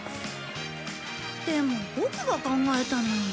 でもボクが考えたのに。